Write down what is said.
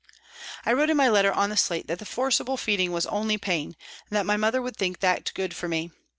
I wrote in my letter on the slate that the forcible feeding was " only pain," and that my mother would think that good for me.